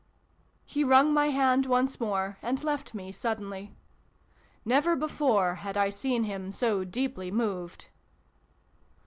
He wrung my hand once more, and left me suddenly. Never before had I seen him so deeply moved.